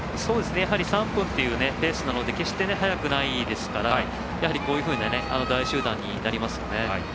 やはり、３分っていうペースなので決して速くないですからこういうふうな大集団になりますよね。